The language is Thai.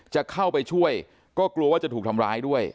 จะเข้าไปช่วยก็กลัวว่าจะถูกทำร้ายด้วย